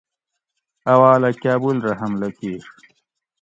اوالہ کابل رہ حملہ کیر